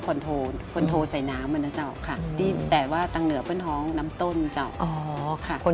กรูผู้สืบสารล้านนารุ่นแรกแรกรุ่นเลยนะครับผม